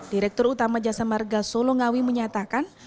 direktur utama jasa marga solongawi menyatakan